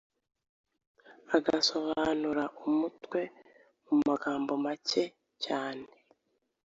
agasobanura umutwe mu magambo make cyane.